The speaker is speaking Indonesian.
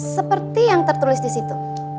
seperti yang tertulis di situ